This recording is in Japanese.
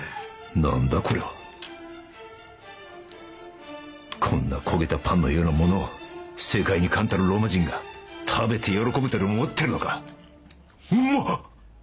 何だこりゃこんな焦げたパンのような物を世界に冠たるローマ人が食べて喜ぶとでも思ってるのかウマっ！